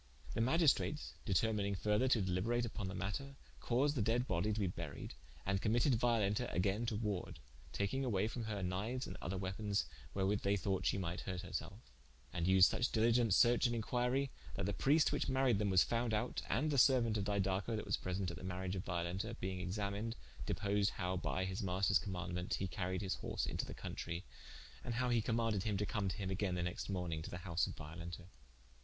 The Magistrates determining further to deliberate vpon the matter, caused the dead bodie to be buried, and committed Violenta againe to warde, taking away from her kniues and other weapons, wherewith they thought shee might hurt her selfe. And vsed such diligent search and inquirie, that the Priest which maried them was found out, and the seruaunt of Didaco that was present at the mariage of Violenta, being examined, deposed how by his maister's commaundement he caried his horse into the countrie, and how he commaunded him to come to him againe the nexte morning to the house of Violenta.